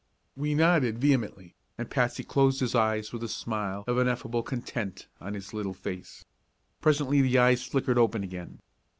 We nodded vehemently, and Patsy closed his eyes with a smile of ineffable content on his little face. Presently the eyes flickered open again.